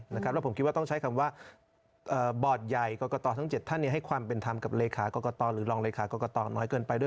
แล้วผมคิดว่าต้องใช้คำว่าบอร์ดใหญ่กรกตทั้ง๗ท่านให้ความเป็นธรรมกับเลขากรกตหรือรองเลขากรกตน้อยเกินไปด้วย